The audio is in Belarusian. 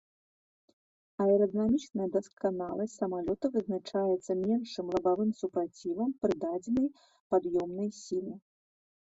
Аэрадынамічная дасканаласць самалёта вызначаецца меншым лабавым супрацівам пры дадзенай пад'ёмнай сіле.